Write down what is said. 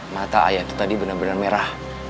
mata air itu tadi benar benar merah